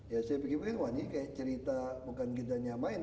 ya saya pikir pikir one ini kayak cerita bukan kita nyamain